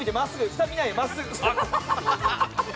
下見ないで真っすぐ。